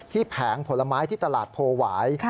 แผงผลไม้ที่ตลาดโพหวาย